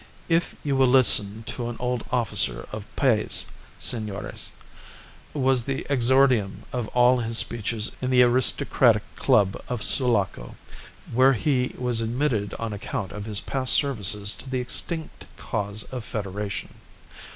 "If you will listen to an old officer of Paez, senores," was the exordium of all his speeches in the Aristocratic Club of Sulaco, where he was admitted on account of his past services to the extinct cause of Federation.